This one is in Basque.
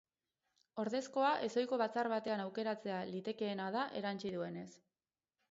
Ordezkoa ezohiko batzar batean aukeratzea litekeena da, erantsi duenez.